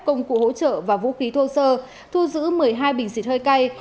công cụ hỗ trợ và vũ khí thô sơ thu giữ một mươi hai bình xịt hơi cay